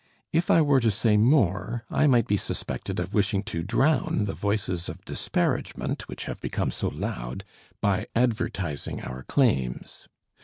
If I were to say more I might be suspected of wishing to drown the voices of disparagement, which have become so loud, by advertising our claims.